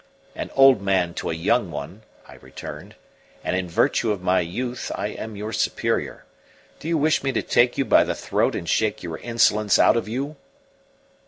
"An old man to a young one," I returned. "And in virtue of my youth I am your superior. Do you wish me to take you by the throat and shake your insolence out of you?"